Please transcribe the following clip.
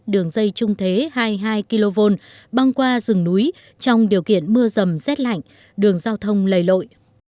đường dây trung thế hai mươi hai kv băng qua rừng núi trong điều kiện mưa dầm rét lạnh đường giao thông lầy lội